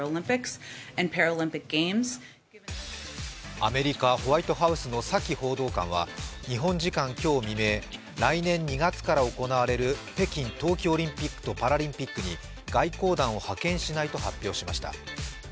アメリカ・ホワイトハウスのサキ報道官は日本時間今日未明、来年２月から行われる北京冬季オリンピックとパラリンピックに外交団を派遣しないと発表しました。